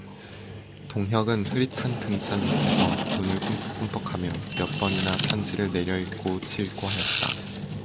동혁은 흐릿한 등잔 밑에서 눈을 꿈벅꿈벅하며 몇 번이나 편지를 내려읽고 치읽고 하였다.